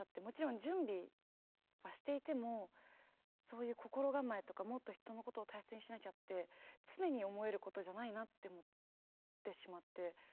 もちろん準備はしていてもそういう心構えとかもっと人のことを大切にしなきゃって常に思えることじゃないなって思ってしまって。